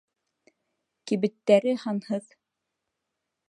Кибеттәре һанһыҙ.